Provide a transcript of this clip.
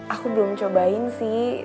aku belum cobain sih